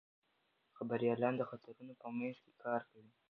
خبریالان د خطرونو په منځ کې کار کوي.